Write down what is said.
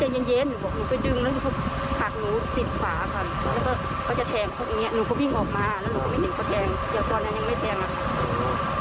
แล้วนายคำพุทธก็วิ่งออกมากับน้องเขาสองคน